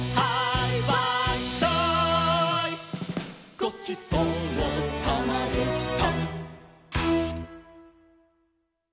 ごちそうさまでした。